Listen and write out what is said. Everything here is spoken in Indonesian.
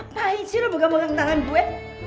kenapa aja lu begang begang tangan gue